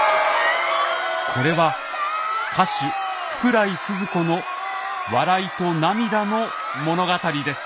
これは歌手福来スズ子の笑いと涙の物語です。